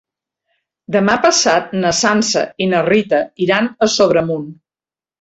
Demà passat na Sança i na Rita iran a Sobremunt.